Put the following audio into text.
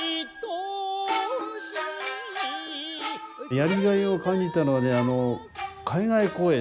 やりがいを感じたのはね海外公演。